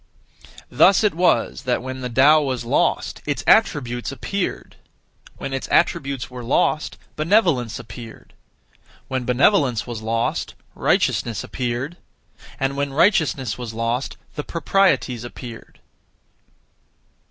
Thus it was that when the Tao was lost, its attributes appeared; when its attributes were lost, benevolence appeared; when benevolence was lost, righteousness appeared; and when righteousness was lost, the proprieties appeared.